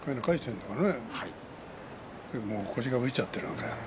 でも腰が浮いちゃっているから。